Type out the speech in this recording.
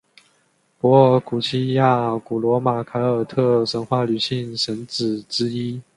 柏尔古希亚古罗马凯尔特神话女性神只之一。